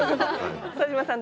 副島さん